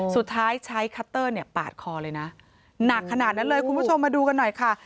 สุดท้ายใช้คัตเตอร์เนี่ยปาดคอเลยนะหนักขนาดนั้นเลยคุณผู้ชมมาดูกันหน่อยค่ะ